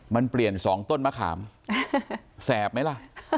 มันเปลี่ยน๒ต้นมะขามแสบไหมล่ะ